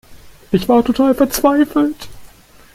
Ich war total verzweifelt.